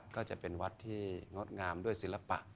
ก็จะเป็นวัดที่งดงามด้วยศิลปะ